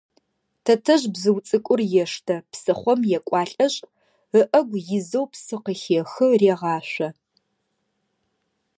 Тэтэжъ бзыу цӏыкӏур ештэ, псыхъом екӏуалӏэшъ, ыӏэгу изэу псы къыхехы, регъашъо.